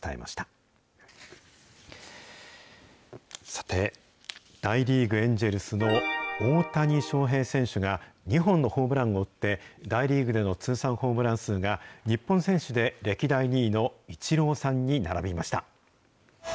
さて、大リーグ・エンジェルスの大谷翔平選手が、２本のホームランを打って、大リーグでの通算ホームラン数が、日本選手で歴代２位のイチローさんに並びました。